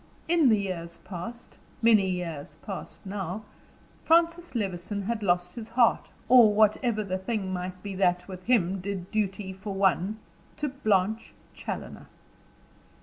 In the years past many years past now Francis Levison had lost his heart or whatever the thing might be that, with him, did duty for one to Blanche Challoner.